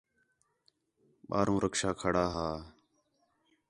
باہر رکشا کھڑا ہا